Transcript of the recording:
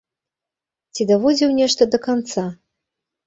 Ці даводзіў нешта да канца?